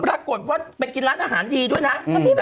ปรากฏว่าไปกินร้านอาหารดีด้วยนะ